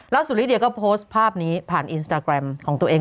สุริเดียก็โพสต์ภาพนี้ผ่านอินสตาแกรมของตัวเอง